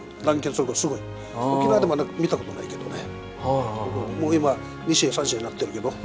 沖縄でも見たことないけどね。